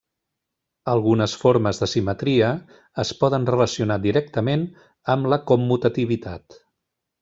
Algunes formes de simetria es poden relacionar directament amb la commutativitat.